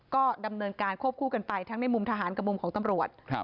ก็ดำเนินการควบคู่กันไปทั้งในมุมทหารกับมุมของตำรวจ